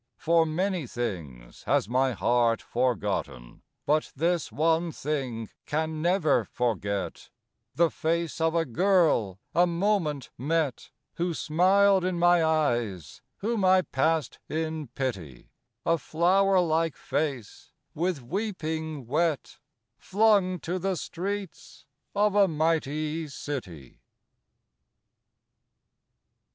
For many things has my heart forgotten, But this one thing can never forget The face of a girl, a moment met, Who smiled in my eyes; whom I passed in pity; A flower like face, with weeping wet, Flung to the streets of a mighty city.